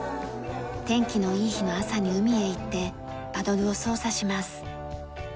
天気のいい日の朝に海へ行ってパドルを操作します。